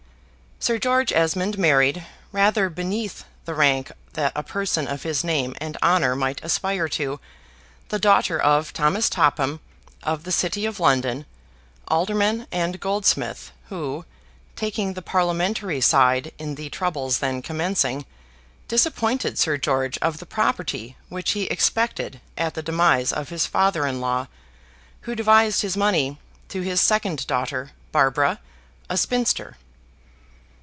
Sir George Esmond married, rather beneath the rank that a person of his name and honor might aspire to, the daughter of Thos. Topham, of the city of London, alderman and goldsmith, who, taking the Parliamentary side in the troubles then commencing, disappointed Sir George of the property which he expected at the demise of his father in law, who devised his money to his second daughter, Barbara, a spinster.